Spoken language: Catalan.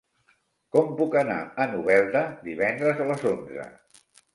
Com puc anar a Novelda divendres a les onze?